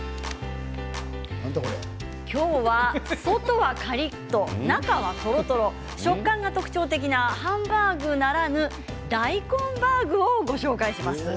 今日は外はカリっと中はとろとろ食感が特徴的なハンバーグならぬ大根バーグをご紹介します。